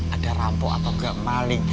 ada rampo atau engga maling